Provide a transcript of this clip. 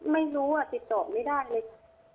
ไม่รู้อ่ะติดโต๊ะไม่ได้เลย